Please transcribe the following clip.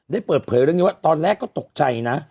ได้เปิดเปรย์เรื่องแบบนี้ว่าตอนแรกก็ตกใจนะ